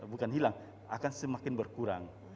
bukan hilang akan semakin berkurang